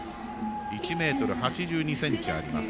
１ｍ８２ｃｍあります。